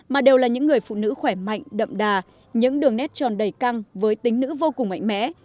mà đều là những người phụ nữ khỏe mạnh đậm đà những đường nét tròn đầy căng với tính nữ vô cùng mạnh mẽ